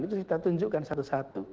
itu kita tunjukkan satu satu